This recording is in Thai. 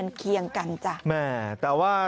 แถมยังไม่ยอมกลับอ่ะ